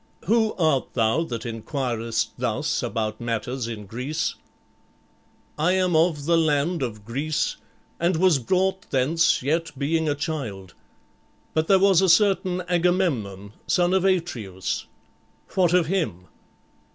"Who art thou that inquirest thus about matters in Greece?" "I am of the land of Greece and was brought thence yet being a child. But there was a certain Agamemnon, son of Atreus; what of him?"